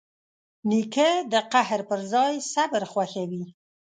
نیکه د قهر پر ځای صبر خوښوي.